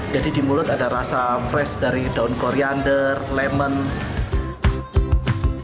jadi di mulut ada rasa fresh dari daun koriander lemon